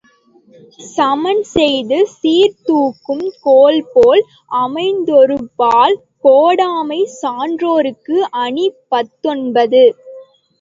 சமன்செய்து சீர்தூக்கும் கோல்போல் அமைந்தொருபால் கோடாமை சான்றோர்க்கு அணி பத்தொன்பது .